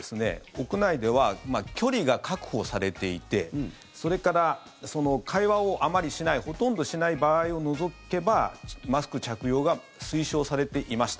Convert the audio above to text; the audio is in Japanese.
屋内では距離が確保されていてそれから、会話をあまりしないほとんどしない場合を除けばマスク着用が推奨されていました。